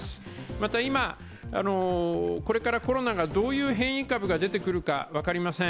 また今、これからコロナがどういう変異株が出てくるか分かりません。